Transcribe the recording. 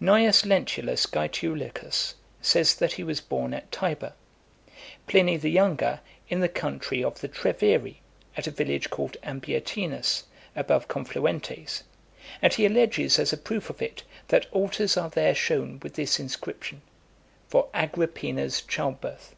Cneius Lentulus Gaetulicus says that he was born at Tibur; Pliny the younger, in the country of the Treviri, at a village called Ambiatinus, above Confluentes ; and he alleges, as a proof of it, that altars are there shown with this inscription: "For Agrippina's child birth."